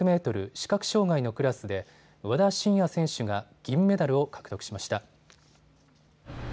視覚障害のクラスで和田伸也選手が銀メダルを獲得しました。